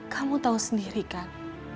kamu tahu sendiri kan